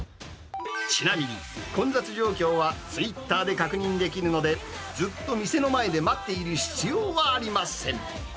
ちなみに、混雑状況はツイッターで確認できるので、ずっと店の前で待っている必要はありません。